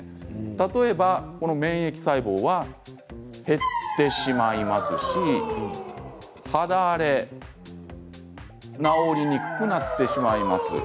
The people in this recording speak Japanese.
例えば、この免疫細胞は減ってしまいますし肌荒れ治りにくくなってしまいます。